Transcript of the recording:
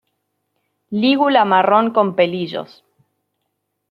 Lígula marrón con pelillos.